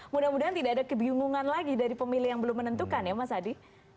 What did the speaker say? mudah mudahan tidak ada kebingungan lagi dari pemilih yang belum menentukan ya mas adi